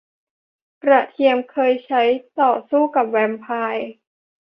กระเทียมเคยใช้ต่อสู้กับแวมไพร์